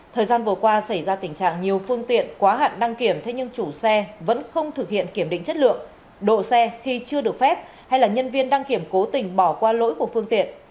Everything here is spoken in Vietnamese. thời gian vừa qua xảy ra tình trạng nhiều phương tiện quá hạn đăng kiểm thế nhưng chủ xe vẫn không thực hiện kiểm định chất lượng độ xe khi chưa được phép hay là nhân viên đăng kiểm cố tình bỏ qua lỗi của phương tiện